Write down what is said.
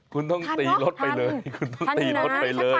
คุณต้องตีรถไปเลยคุณต้องตีรถไปเลย